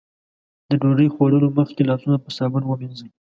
د ډوډۍ خوړلو مخکې لاسونه په صابون ومينځئ.